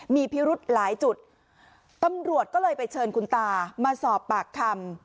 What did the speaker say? มีพิรุธหลายจุดตำรวจก็เลยไปเชิญคุณตามาสอบปากคำ